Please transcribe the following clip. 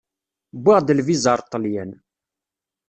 Wwiɣ-d lviza ar Ṭelyan.